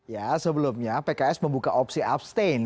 ya sebelumnya pks membuka opsi abstain